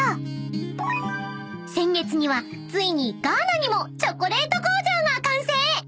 ［先月にはついにガーナにもチョコレート工場が完成！］